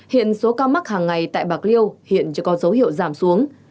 hiện số ca mắc hàng ngày tại bạc liêu hiện chưa có dấu hiệu giảm xuống